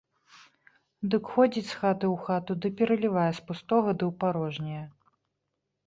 Дык ходзіць з хаты ў хату ды пералівае з пустога ды ў парожняе.